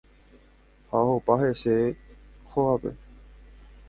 ha ohopa heseve hógape.